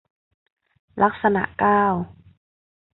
ลักษณะเก้า